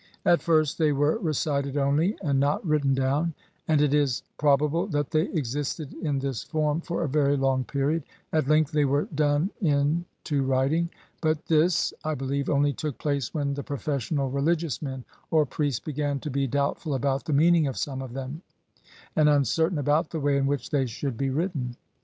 At first they were recited only and not written down, and it is probable that they existed in this form for a very long period ; at length they were done in to writing, but this, I believe, only took place when the professional religious men or priests began to be doubtful about the meaning of some of them, and un certain about the way in which they should be writ ten.